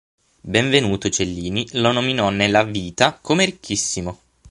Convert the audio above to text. Benvenuto Cellini lo nominò nella "Vita", come "ricchissimo".